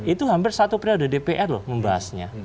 itu hampir satu periode dpr loh membahasnya